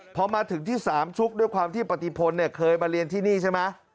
พอมาถึงที่สามชุกด้วยความที่ปฏิพลเคยมาเรียนที่นี่ใช่ไหม